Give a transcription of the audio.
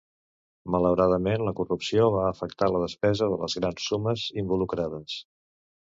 Malauradament, la corrupció va afectar la despesa de les grans sumes involucrades.